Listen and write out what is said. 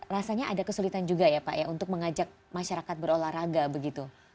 rasanya ada kesulitan juga ya pak ya untuk mengajak masyarakat berolahraga begitu